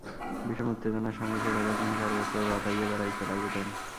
বিষম উত্তেজনার সঙ্গে সে কথা তিনি সর্বত্র রটাইয়া বেড়াইতে লাগিলেন।